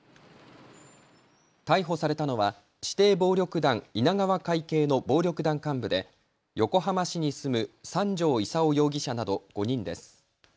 逮捕されたのは指定暴力団、稲川会系の暴力団幹部で横浜市に住む三條功容疑者など５人です。